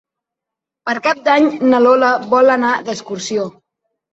Per Cap d'Any na Lola vol anar d'excursió.